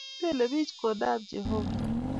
Belee bich kondab jehovah